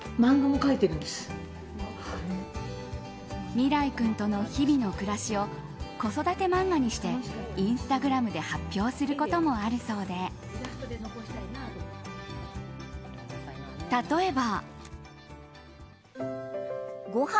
美良生君との日々の暮らしを子育て漫画にしてインスタグラムで発表することもあるそうで例えば。